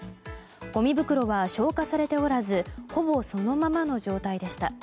ごみ袋は消化されておらずほぼそのままの状態でした。